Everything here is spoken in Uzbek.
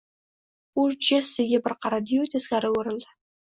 U Jessiga bir qaradi-yu, teskari o`girildi